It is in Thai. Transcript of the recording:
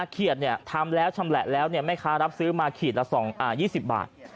เขียดทำแล้วชำแหละแล้วแม่ค้ารับซื้อมาขีดละ๒๐บาท